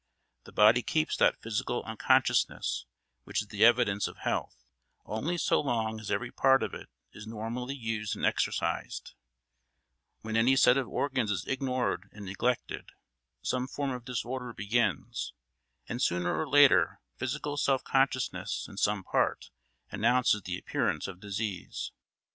The body keeps that physical unconsciousness which is the evidence of health only so long as every part of it is normally used and exercised; when any set of organs is ignored and neglected, some form of disorder begins, and sooner or later physical self consciousness in some part announces the appearance of disease.